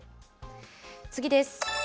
次です。